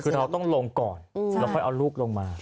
คือเราต้องลงก่อนแล้วค่อยเอาลูกลงมา